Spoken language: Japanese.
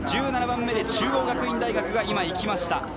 １７番目、中央学院が今いきました。